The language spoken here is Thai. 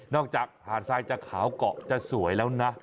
จากหาดทรายจะขาวเกาะจะสวยแล้วนะ